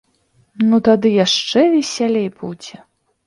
Ну тады яшчэ весялей будзе.